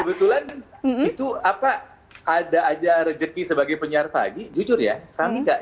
kebetulan itu apa ada aja rezeki sebagai penyiar pagi jujur ya kami enggak